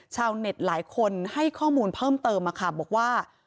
ชาวเน็ตหลายคนให้ข้อมูลเพิ่มเติมมาค่ะบอกว่า